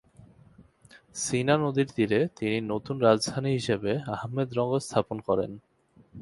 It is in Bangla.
সিনা নদীর তীরে তিনি নতুন রাজধানী হিসেবে আহমেদনগর স্থাপন করেন।